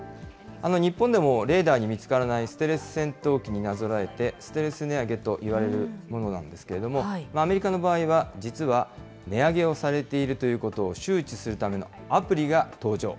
日本でもレーダーに見つからないステルス戦闘機になぞらえて、ステルス値上げといわれるものなんですけれども、アメリカの場合は、実は値上げをされているということを周知するためのアプリが登場。